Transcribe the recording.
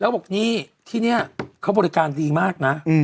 แล้วบอกนี่ที่นี่เขาบริการดีมากนะ